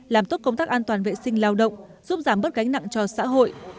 làm tốt công tác an toàn vệ sinh lao động giúp giảm bớt gánh nặng cho xã hội